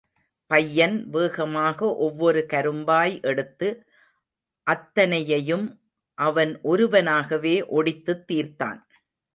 பையன் வேகமாக ஒவ்வொரு கரும்பாய் எடுத்து, அத்தனையையும் அவன் ஒருவனாகவே ஒடித்துத் தீர்த்தான்.